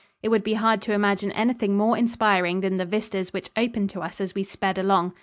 It would be hard to imagine anything more inspiring than the vistas which opened to us as we sped along.